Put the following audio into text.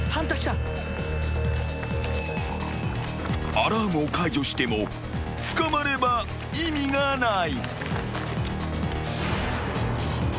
［アラームを解除しても捕まれば意味がない］